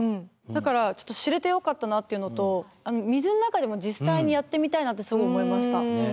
だから知れてよかったなっていうのと水の中でも実際にやってみたいなってすごい思いました。